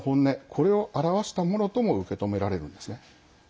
これを表したものとも受け止められるんですね。